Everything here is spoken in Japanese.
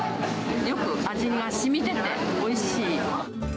よく味がしみてて、おいしい。